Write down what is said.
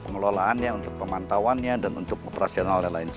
pengelolaannya untuk pemantauannya dan untuk operasional lain lain semua